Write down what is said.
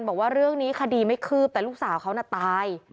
บอกว่าเรื่องนี้คดีไม่คืบแต่ลูกสาวเขาน่ะตาย